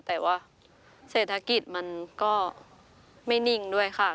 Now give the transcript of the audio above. แต่ว่าเศรษฐกิจมันก็ไม่นิ่งด้วยค่ะ